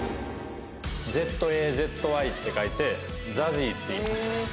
「ＺＡＺＹ」って書いてＺＡＺＹっていいます。